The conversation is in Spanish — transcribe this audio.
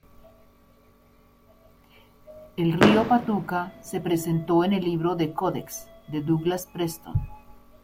El río Patuca se presentó en el libro "The Codex" de Douglas Preston.